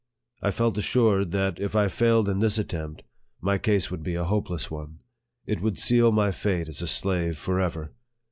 I felt assured that, if I failed in this attempt, my case would be a hopeless one it would seal my fate as a slave forever.